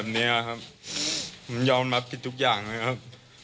ตุ๊กยางนะครับ